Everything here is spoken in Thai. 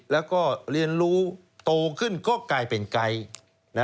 แล้วก็เรียนรู้โตขึ้นก็กลายเป็นไกด์